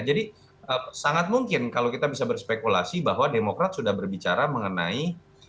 jadi sangat mungkin kalau kita bisa berspekulasi bahwa demokrat sudah berbicara mengenai